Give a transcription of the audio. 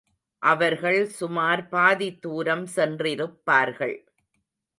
அவர்கள் சுமார் பாதி தூரம் சென்றிருப்பார்கள்.